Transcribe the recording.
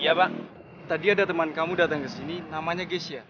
ya pak tadi ada teman kamu datang ke sini namanya ghesia